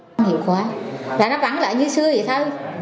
nó hiệu quả và nó vắng lại như xưa vậy thôi